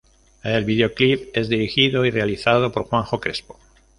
El videoclip es dirigido y realizado por Juanjo Crespo.